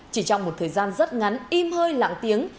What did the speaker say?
chỉ trong một thời gian rất ngắn im hơi lạng tiếng